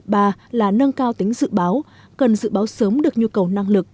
ba là nâng cao tính dự báo cần dự báo sớm được nhu cầu năng lực